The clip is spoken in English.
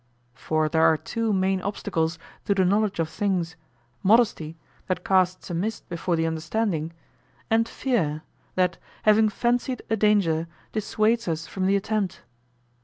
For there are two main obstacles to the knowledge of things, modesty that casts a mist before the understanding, and fear that, having fancied a danger, dissuades us from the attempt.